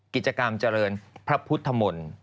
กิจกรรมเจริญพระพุทธมนตร์